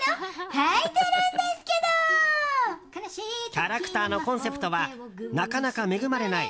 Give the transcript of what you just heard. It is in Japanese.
キャラクターのコンセプトは「なかなか恵まれない。